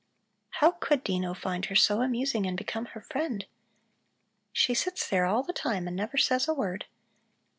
How could Dino find her so amusing, and become her friend? She sits there all the time and never says a word."